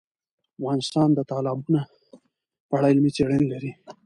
افغانستان د تالابونه په اړه علمي څېړنې لري.